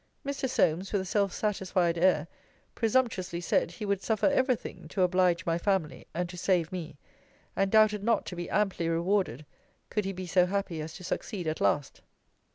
Mr. Solmes, with a self satisfied air, presumptuously said, he would suffer every thing, to oblige my family, and to save me: and doubted not to be amply rewarded, could he be so happy as to succeed at last.